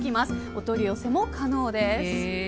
お取り寄せも可能です。